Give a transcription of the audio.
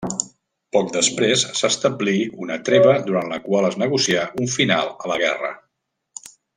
Poc després s'establí una treva durant la qual es negocià un final a la guerra.